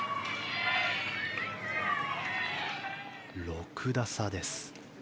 ６打差です。